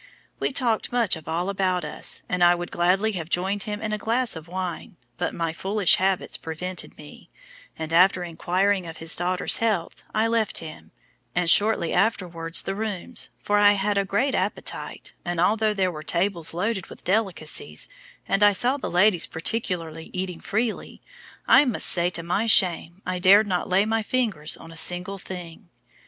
We talked much of all about us, and I would gladly have joined him in a glass of wine, but my foolish habits prevented me, and after inquiring of his daughter's health, I left him, and shortly afterwards the rooms; for I had a great appetite, and although there were tables loaded with delicacies, and I saw the ladies particularly eating freely, I must say to my shame I dared not lay my fingers on a single thing.